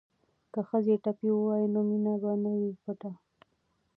که ښځې ټپې ووايي نو مینه به نه وي پټه.